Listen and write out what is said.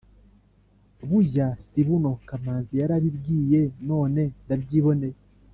Bujya sibuno Kamanzi yarabibwiye none ndabyiboneye